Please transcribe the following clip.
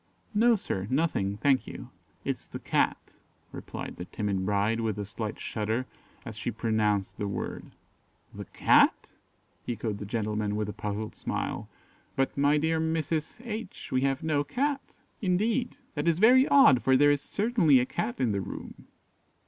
"No, sir, nothing, thank you; it is the Cat," replied the timid bride, with a slight shudder, as she pronounced the word. "The Cat?" echoed the gentleman, with a puzzled smile; "but, my dear Mrs. H , we have no Cat!" "Indeed! that is very odd, for there is certainly a Cat in the room."